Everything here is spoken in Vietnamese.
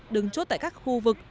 đứng chốt tại các khu vực